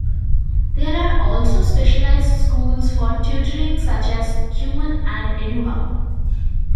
There are also specialized schools for tutoring such as, Kumon and EduHub.